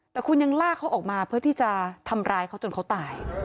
แต่คุณยังลากเขาออกมาเพื่อที่จะทำร้ายเขาจนเขาตาย